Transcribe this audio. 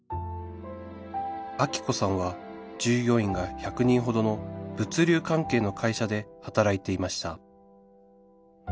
アキ子さんは従業員が１００人ほどの物流関係の会社で働いていました